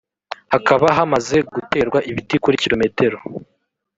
hakaba hamaze guterwa ibiti kuri km